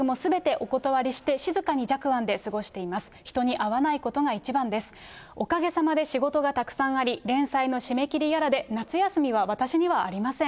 おかげさまで仕事がたくさんあり、連載の締め切りやらで夏休みは私にはありません。